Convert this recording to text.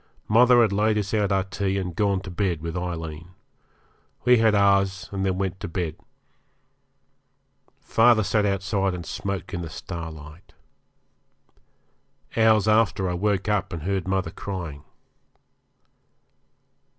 Mother had laid us out our tea and gone to bed with Aileen. We had ours and then went to bed. Father sat outside and smoked in the starlight. Hours after I woke up and heard mother crying.